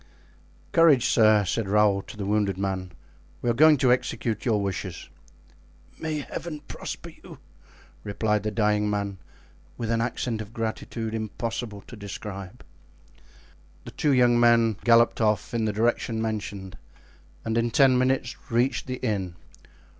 '" "Courage, sir," said Raoul to the wounded man. "We are going to execute your wishes." "May Heaven prosper you!" replied the dying man, with an accent of gratitude impossible to describe. The two young men galloped off in the direction mentioned and in ten minutes reached the inn.